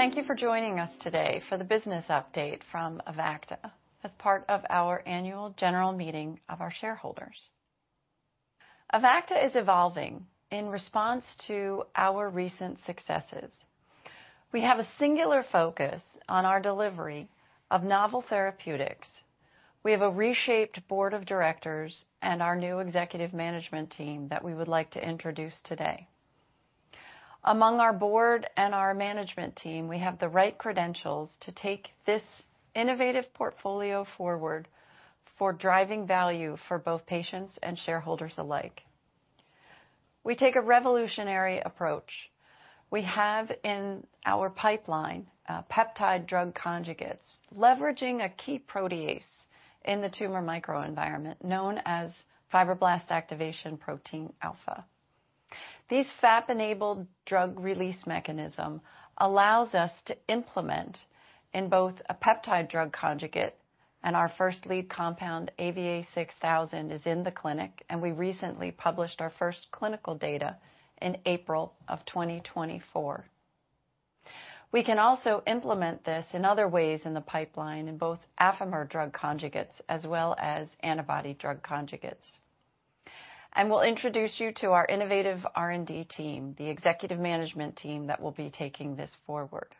Thank you for joining us today for the business update from Avacta as part of our annual general meeting of our shareholders. Avacta is evolving in response to our recent successes. We have a singular focus on our delivery of novel therapeutics. We have a reshaped board of directors and our new executive management team that we would like to introduce today. Among our board and our management team, we have the right credentials to take this innovative portfolio forward for driving value for both patients and shareholders alike. We take a revolutionary approach. We have in our pipeline peptide drug conjugates leveraging a key protease in the tumor microenvironment known as Fibroblast Activation Protein alpha. These FAP-enabled drug release mechanisms allow us to implement in both a peptide drug conjugate and our first lead compound, AVA6000, is in the clinic, and we recently published our first clinical data in April of 2024. We can also implement this in other ways in the pipeline in both Affimer drug conjugates as well as antibody drug conjugates. We'll introduce you to our innovative R&D team, the executive management team that will be taking this forward.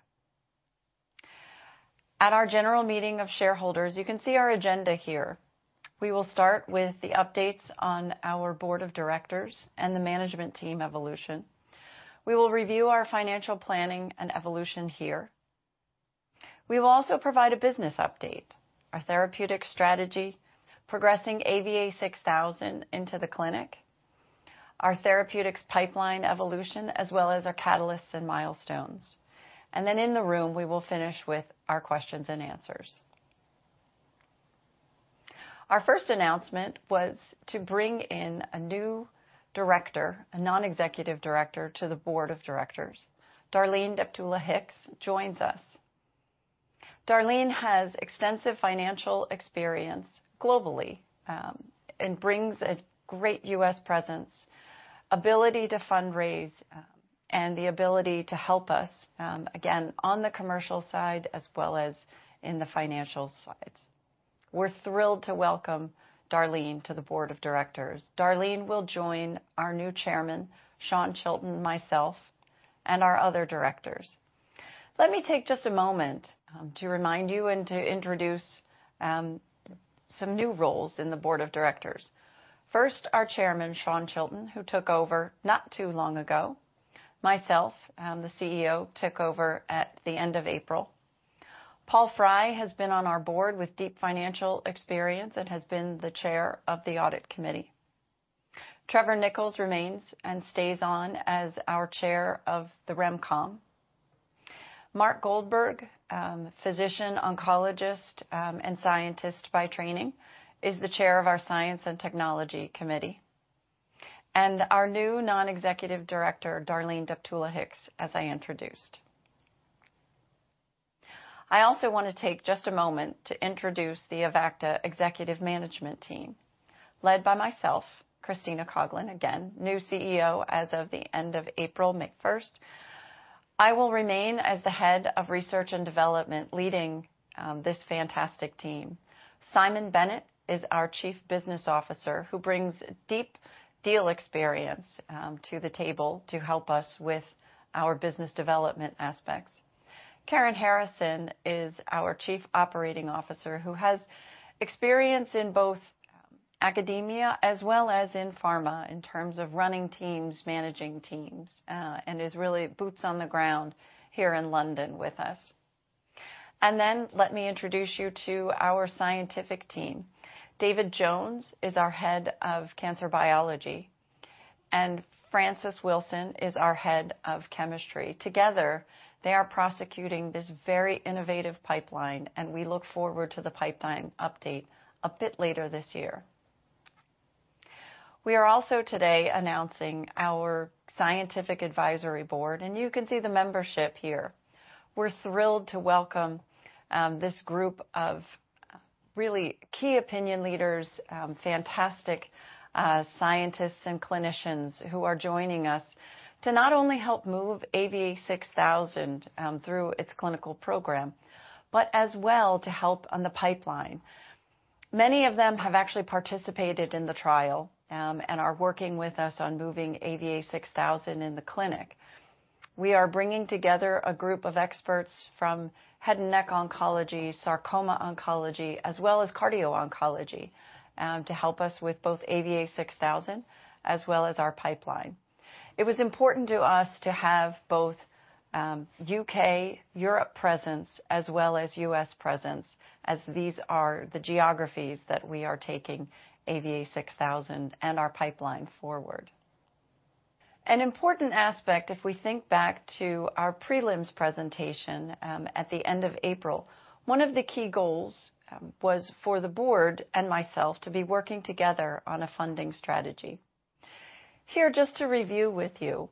At our general meeting of shareholders, you can see our agenda here. We will start with the updates on our board of directors and the management team evolution. We will review our financial planning and evolution here. We will also provide a business update: our therapeutic strategy, progressing AVA6000 into the clinic, our therapeutics pipeline evolution, as well as our catalysts and milestones. And then in the room, we will finish with our questions and answers. Our first announcement was to bring in a new director, a non-executive director, to the board of directors. Darlene Deptula-Hicks joins us. Darlene has extensive financial experience globally and brings a great U.S. presence, ability to fundraise, and the ability to help us, again, on the commercial side as well as in the financial sides. We're thrilled to welcome Darlene to the board of directors. Darlene will join our new chairman, Shaun Chilton, myself, and our other directors. Let me take just a moment to remind you and to introduce some new roles in the board of directors. First, our chairman, Shaun Chilton, who took over not too long ago. Myself, the CEO, took over at the end of April. Paul Fry has been on our board with deep financial experience and has been the chair of the audit committee. Trevor Nicholls remains and stays on as our chair of the Remcom. Mark Goldberg, physician, oncologist, and scientist by training, is the chair of our science and technology committee. And our new non-executive director, Darlene Deptula-Hicks, as I introduced. I also want to take just a moment to introduce the Avacta executive management team, led by myself, Christina Coughlin, again, new CEO as of the end of April 1st. I will remain as the head of research and development leading this fantastic team. Simon Bennett is our Chief Business Officer who brings deep deal experience to the table to help us with our business development aspects. Karen Harrison is our Chief Operating Officer who has experience in both academia as well as in pharma in terms of running teams, managing teams, and is really boots on the ground here in London with us. And then let me introduce you to our scientific team. David Jones is our Head of Cancer Biology, and Francis Wilson is our Head of Chemistry. Together, they are prosecuting this very innovative pipeline, and we look forward to the pipeline update a bit later this year. We are also today announcing our scientific advisory board, and you can see the membership here. We're thrilled to welcome this group of really key opinion leaders, fantastic scientists and clinicians who are joining us to not only help move AVA6000 through its clinical program, but as well to help on the pipeline. Many of them have actually participated in the trial and are working with us on moving AVA6000 in the clinic. We are bringing together a group of experts from head and neck oncology, sarcoma oncology, as well as cardio-oncology to help us with both AVA6000 as well as our pipeline. It was important to us to have both U.K., Europe presence, as well as U.S. presence, as these are the geographies that we are taking AVA6000 and our pipeline forward. An important aspect, if we think back to our prelims presentation at the end of April, one of the key goals was for the board and myself to be working together on a funding strategy. Here, just to review with you,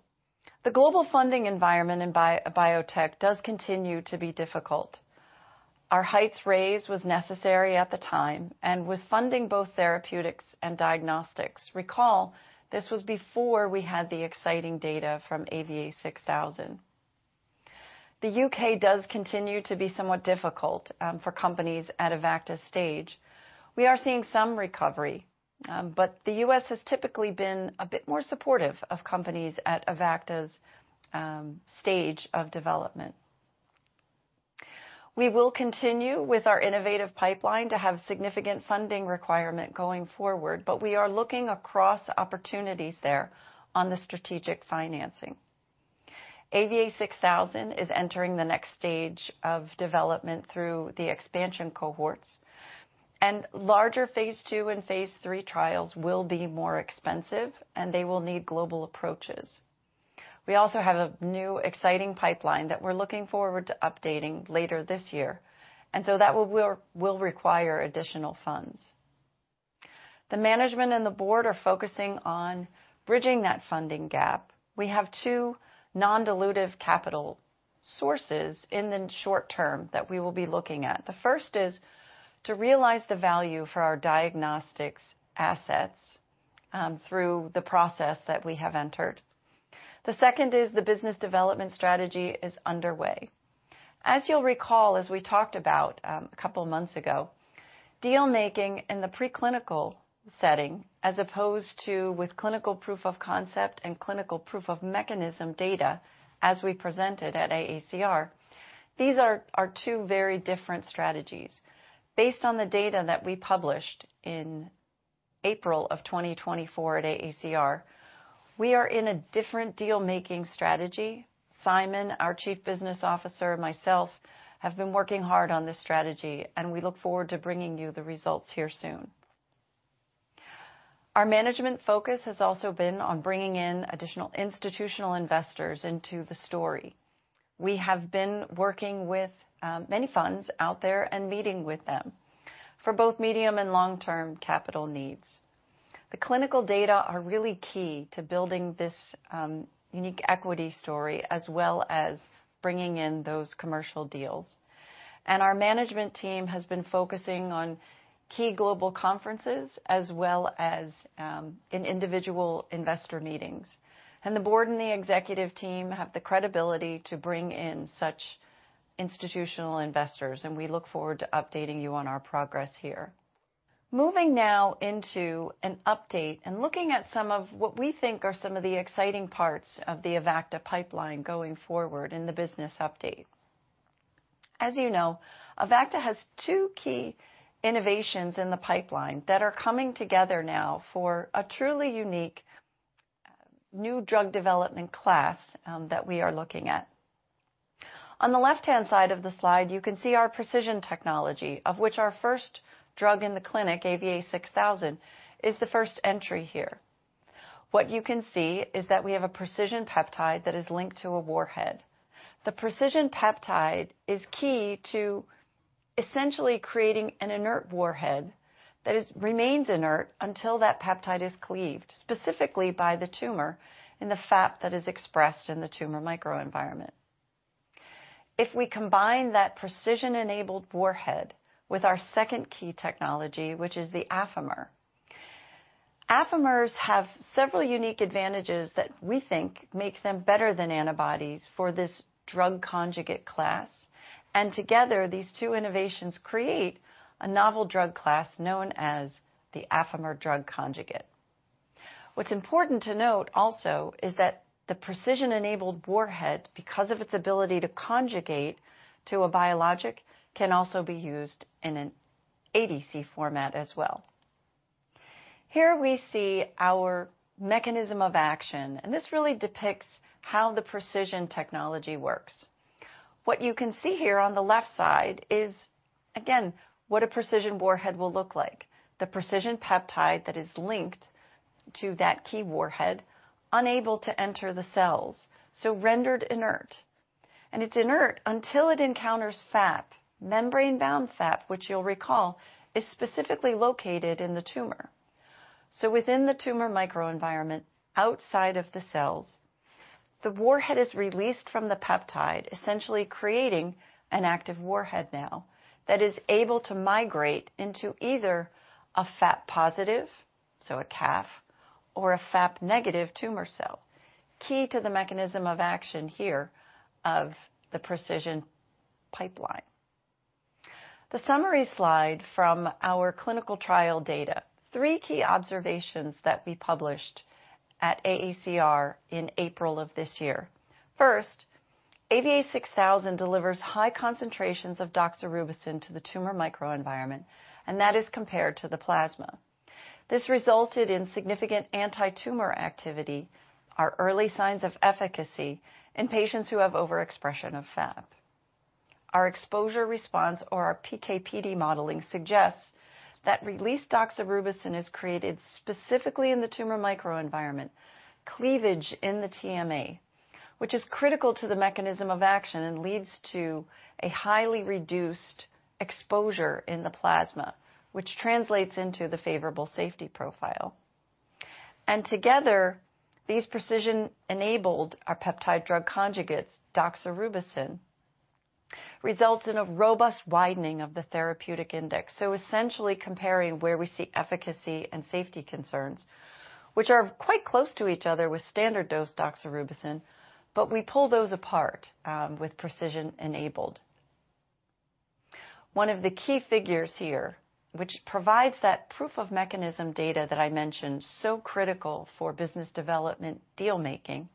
the global funding environment in biotech does continue to be difficult. Our rights raise was necessary at the time and was funding both therapeutics and diagnostics. Recall, this was before we had the exciting data from AVA6000. The U.K. does continue to be somewhat difficult for companies at Avacta's stage. We are seeing some recovery, but the U.S. has typically been a bit more supportive of companies at Avacta's stage of development. We will continue with our innovative pipeline to have significant funding requirement going forward, but we are looking across opportunities there on the strategic financing. AVA6000 is entering the next stage of development through the expansion cohorts, and larger Phase 2 and Phase 3 trials will be more expensive, and they will need global approaches. We also have a new exciting pipeline that we're looking forward to updating later this year, and so that will require additional funds. The management and the board are focusing on bridging that funding gap. We have two non-dilutive capital sources in the short term that we will be looking at. The first is to realize the value for our diagnostics assets through the process that we have entered. The second is the business development strategy is underway. As you'll recall, as we talked about a couple of months ago, deal-making in the preclinical setting as opposed to with clinical proof of concept and clinical proof of mechanism data as we presented at AACR, these are two very different strategies. Based on the data that we published in April of 2024 at AACR, we are in a different deal-making strategy. Simon, our Chief Business Officer, and myself have been working hard on this strategy, and we look forward to bringing you the results here soon. Our management focus has also been on bringing in additional institutional investors into the story. We have been working with many funds out there and meeting with them for both medium and long-term capital needs. The clinical data are really key to building this unique equity story as well as bringing in those commercial deals. Our management team has been focusing on key global conferences as well as individual investor meetings. The board and the executive team have the credibility to bring in such institutional investors, and we look forward to updating you on our progress here. Moving now into an update and looking at some of what we think are some of the exciting parts of the Avacta pipeline going forward in the business update. As you know, Avacta has two key innovations in the pipeline that are coming together now for a truly unique new drug development class that we are looking at. On the left-hand side of the slide, you can see our precision technology, of which our first drug in the clinic, AVA6000, is the first entry here. What you can see is that we have a precision peptide that is linked to a warhead. The precision peptide is key to essentially creating an inert warhead that remains inert until that peptide is cleaved, specifically by the FAP in the tumor that is expressed in the tumor microenvironment. If we combine that precision-enabled warhead with our second key technology, which is the Affimer, Affimers have several unique advantages that we think make them better than antibodies for this drug conjugate class. And together, these two innovations create a novel drug class known as the Affimer drug conjugate. What's important to note also is that the precision-enabled warhead, because of its ability to conjugate to a biologic, can also be used in an ADC format as well. Here we see our mechanism of action, and this really depicts how the precision technology works. What you can see here on the left side is, again, what a precision warhead will look like: the precision peptide that is linked to that key warhead, unable to enter the cells, so rendered inert. It's inert until it encounters FAP, membrane-bound FAP, which you'll recall is specifically located in the tumor. Within the tumor microenvironment, outside of the cells, the warhead is released from the peptide, essentially creating an active warhead now that is able to migrate into either a FAP-positive, so a CAF, or a FAP-negative tumor cell, key to the mechanism of action here of the precision pipeline. The summary slide from our clinical trial data, three key observations that we published at AACR in April of this year. First, AVA6000 delivers high concentrations of doxorubicin to the tumor microenvironment, and that is compared to the plasma. This resulted in significant anti-tumor activity, our early signs of efficacy in patients who have overexpression of FAP. Our exposure response, or our PKPD modeling, suggests that released doxorubicin is created specifically in the tumor microenvironment, cleavage in the TME, which is critical to the mechanism of action and leads to a highly reduced exposure in the plasma, which translates into the favorable safety profile. And together, these precision-enabled peptide drug conjugates, doxorubicin, result in a robust widening of the therapeutic index. So essentially comparing where we see efficacy and safety concerns, which are quite close to each other with standard-dose doxorubicin, but we pull those apart with precision-enabled. One of the key figures here, which provides that proof of mechanism data that I mentioned, so critical for business development deal-making,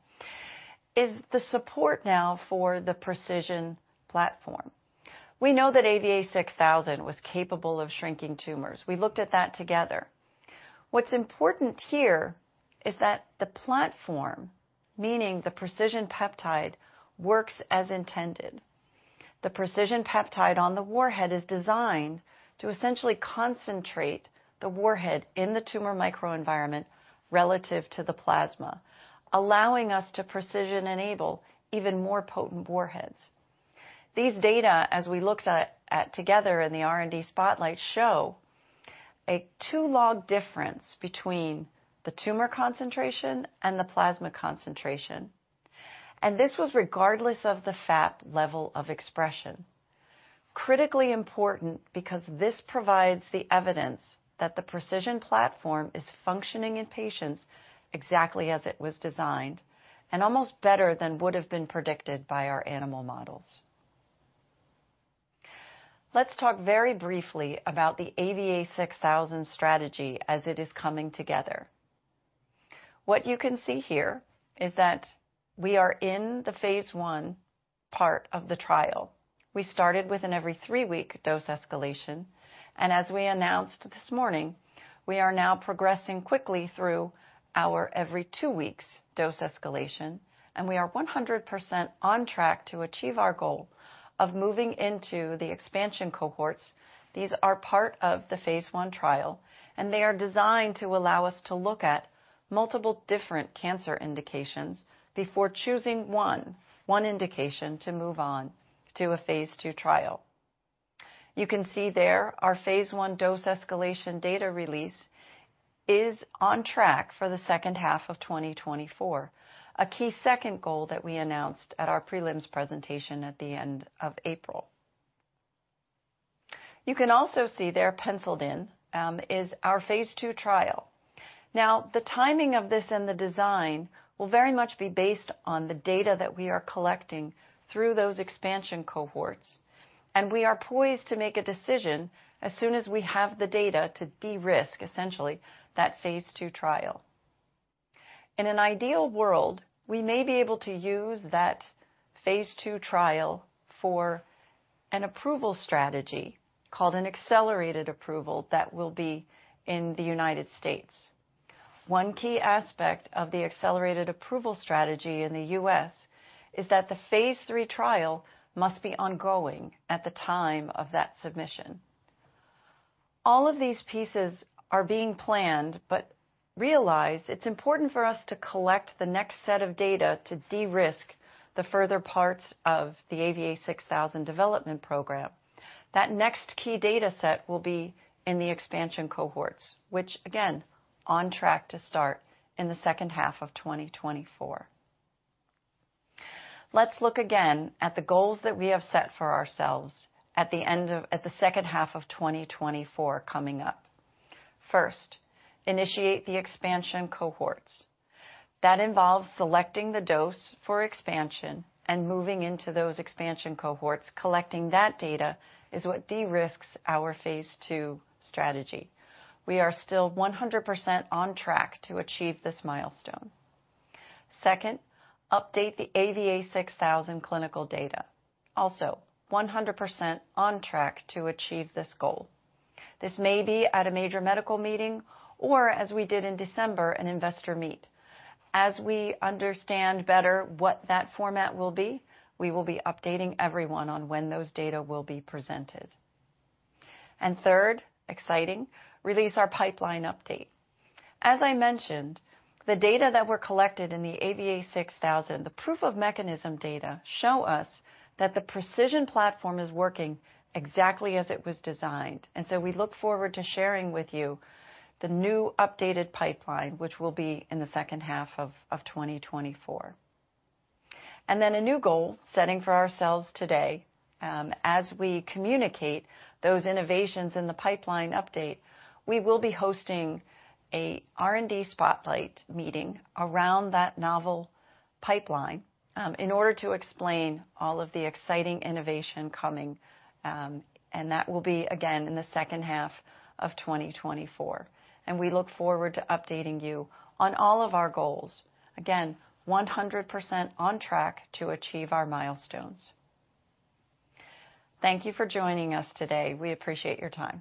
is the support now for the precision platform. We know that AVA6000 was capable of shrinking tumors. We looked at that together. What's important here is that the platform, meaning the precision peptide, works as intended. The precision peptide on the warhead is designed to essentially concentrate the warhead in the tumor microenvironment relative to the plasma, allowing us to precision-enable even more potent warheads. These data, as we looked at together in the R&D spotlight, show a 2-log difference between the tumor concentration and the plasma concentration. This was regardless of the FAP level of expression. Critically important because this provides the evidence that the precision platform is functioning in patients exactly as it was designed and almost better than would have been predicted by our animal models. Let's talk very briefly about the AVA6000 strategy as it is coming together. What you can see here is that we are in the Phase 1 part of the trial. We started with an every three-week dose escalation, and as we announced this morning, we are now progressing quickly through our every two weeks dose escalation, and we are 100% on track to achieve our goal of moving into the expansion cohorts. These are part of the Phase 1 trial, and they are designed to allow us to look at multiple different cancer indications before choosing one indication to move on to a Phase 2 trial. You can see there our Phase 1 dose escalation data release is on track for the second half of 2024, a key second goal that we announced at our prelims presentation at the end of April. You can also see there penciled in is our Phase 2 trial. Now, the timing of this and the design will very much be based on the data that we are collecting through those expansion cohorts, and we are poised to make a decision as soon as we have the data to de-risk, essentially, that Phase 2 trial. In an ideal world, we may be able to use that Phase 2 trial for an approval strategy called an accelerated approval that will be in the United States. One key aspect of the accelerated approval strategy in the U.S. is that the Phase 3 trial must be ongoing at the time of that submission. All of these pieces are being planned, but realize it's important for us to collect the next set of data to de-risk the further parts of the AVA6000 development program. That next key data set will be in the expansion cohorts, which, again, on track to start in the second half of 2024. Let's look again at the goals that we have set for ourselves at the end of the second half of 2024 coming up. First, initiate the expansion cohorts. That involves selecting the dose for expansion and moving into those expansion cohorts. Collecting that data is what de-risks our Phase 2 strategy. We are still 100% on track to achieve this milestone. Second, update the AVA6000 clinical data. Also, 100% on track to achieve this goal. This may be at a major medical meeting or, as we did in December, an investor meet. As we understand better what that format will be, we will be updating everyone on when those data will be presented. And third, exciting release our pipeline update. As I mentioned, the data that were collected in the AVA6000, the proof of mechanism data show us that the precision platform is working exactly as it was designed. And so we look forward to sharing with you the new updated pipeline, which will be in the second half of 2024. And then a new goal setting for ourselves today. As we communicate those innovations in the pipeline update, we will be hosting an R&D spotlight meeting around that novel pipeline in order to explain all of the exciting innovation coming. And that will be, again, in the second half of 2024. And we look forward to updating you on all of our goals. Again, 100% on track to achieve our milestones. Thank you for joining us today. We appreciate your time.